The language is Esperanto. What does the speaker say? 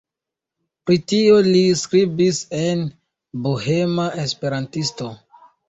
Pri tio li skribis en "Bohema Esperantisto".